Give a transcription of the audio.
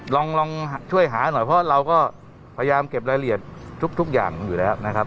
ลองช่วยหาหน่อยเพราะเราก็พยายามเก็บรายละเอียดทุกอย่างอยู่แล้วนะครับ